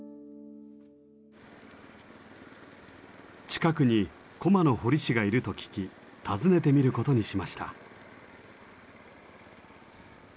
近くに駒の彫り師がいると聞き訪ねてみることにしました。